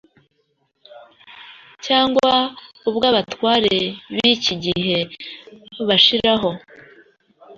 cyangwa ubw’abatware b’iki gihe bashiraho.